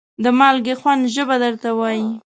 د مالګې خوند ژبه درته وایي.